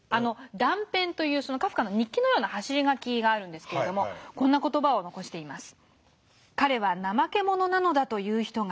「断片」というカフカの日記のような走り書きがあるんですけれどもこんな言葉を残しています。